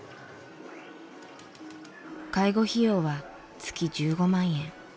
介護費用は月１５万円。